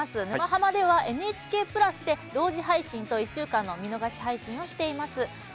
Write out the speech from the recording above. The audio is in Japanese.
「沼ハマ」では「ＮＨＫプラス」で同時配信と１週間の見逃し配信をしています。